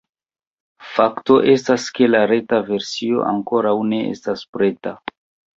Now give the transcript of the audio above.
Fakto estas, ke la reta versio ankoraŭ ne estas preta.